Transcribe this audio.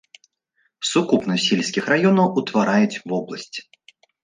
Сукупнасць сельскіх раёнаў утвараюць вобласць.